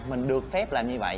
mình được phép làm như vậy